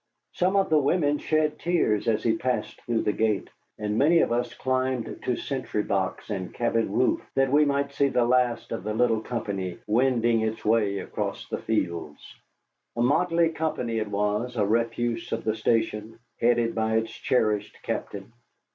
Some of the women shed tears as he passed through the gate, and many of us climbed to sentry box and cabin roof that we might see the last of the little company wending its way across the fields. A motley company it was, the refuse of the station, headed by its cherished captain.